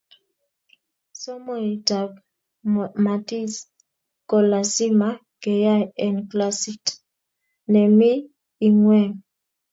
somoitab matis ko lasima keyai en klasit nemii ingweng